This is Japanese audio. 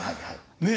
ねえ。